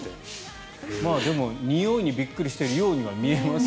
でも、においにびっくりしているようには見えますが。